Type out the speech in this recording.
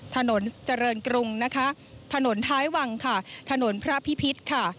ถนนเจริญกรุงนะคะถนนท้ายวังค่ะถนนพระพิพิษค่ะ